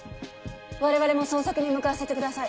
我々も捜索に向かわせてください。